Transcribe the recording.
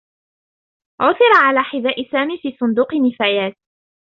عُثِر على حذاء سامي في صندوق نفايات.